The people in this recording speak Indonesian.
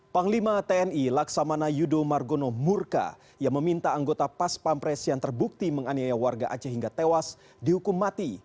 panglima tni laksamana yudo margono murka yang meminta anggota pas pampres yang terbukti menganiaya warga aceh hingga tewas dihukum mati